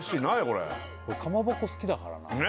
これ俺かまぼこ好きだからな